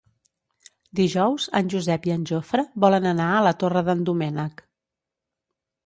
Dijous en Josep i en Jofre volen anar a la Torre d'en Doménec.